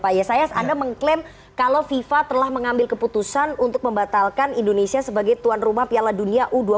pak yesayas anda mengklaim kalau fifa telah mengambil keputusan untuk membatalkan indonesia sebagai tuan rumah piala dunia u dua puluh